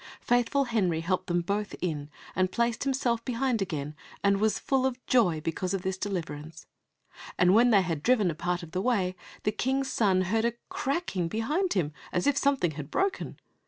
Faithful Henry helped them both in, and placed himself behind again, and was full of joy because of this deliverance. And when they had driven a part of the way the King's son heard a cracking behind him as if something had broken.